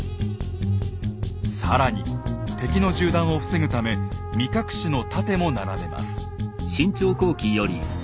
更に敵の銃弾を防ぐため身隠しの盾も並べます。